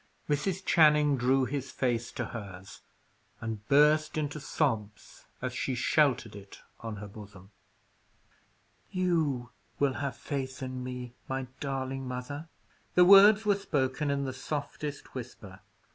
Mrs. Channing drew his face to hers, and burst into sobs as she sheltered it on her bosom. "You will have faith in me, my darling mother!" The words were spoken in the softest whisper.